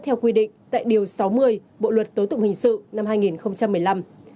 theo quy định tại điều sáu mươi bộ luật tối tục hình sự năm hai nghìn một mươi năm